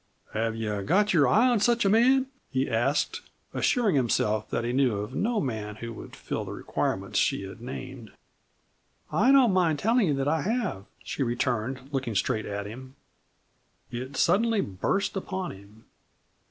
"Have you got your eye on such a man?" he asked, assuring himself that he knew of no man who would fill the requirements she had named. "I don't mind telling you that I have," she returned, looking straight at him. It suddenly burst upon him.